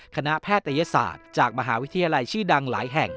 คณะแพทยศาสตร์จากมหาวิทยาลัยชื่อดังหลายแห่ง